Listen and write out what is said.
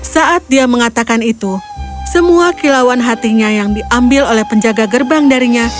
saat dia mengatakan itu semua kilauan hatinya yang diambil oleh penjaga gerbang darinya